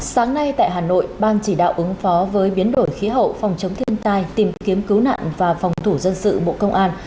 sáng nay tại hà nội ban chỉ đạo ứng phó với biến đổi khí hậu phòng chống thiên tai tìm kiếm cứu nạn và phòng thủ dân sự bộ công an